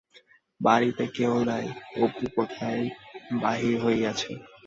বাড়িতে কেহ নাই, অপু কোথায় বাহির হইয়াছে।